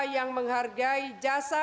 yang menghargai jasa